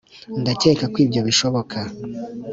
ndakeka ko ibyo bishoboka